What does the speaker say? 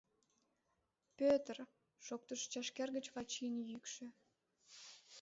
— Пӧ-ӧты-ыр!.. — шоктыш чашкер гыч Вачийын йӱкшӧ.